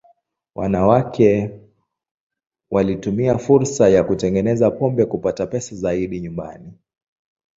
Wanawake walitumia fursa ya kutengeneza pombe kupata pesa zaidi nyumbani.